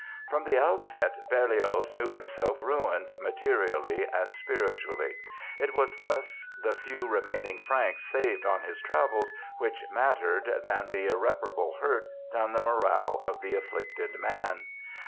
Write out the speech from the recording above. From the outset Berlioz knew himself ruined, materially and spiritually. It was less the few remaining francs saved on his travels which mattered than the irreparable hurt done the morale of the afflicted man.